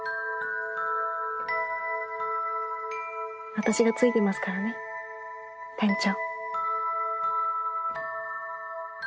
私がついてますからね店長。